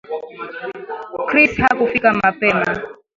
Chris hakufika mapema